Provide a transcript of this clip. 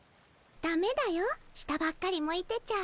だめだよ下ばっかり向いてちゃ。